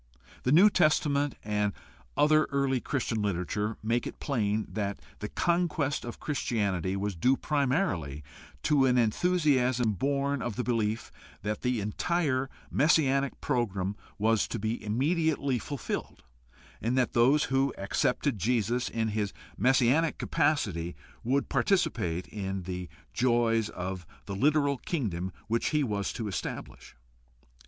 The New Testament and other early Chris tian literature make it plain that the conquest of Christianity was due primarily to an enthusiasm born of the belief that the entire messianic program was to be immediately fulfilled and that those who accepted Jesus in his messianic capacity would participate in the joys of the literal kingdom which he was to establish.